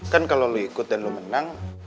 kan kalau lo ikut dan lo menang